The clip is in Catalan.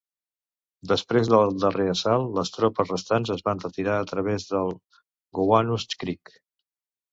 Després del darrer assalt, les tropes restants es van retirar a través del Gowanus Creek.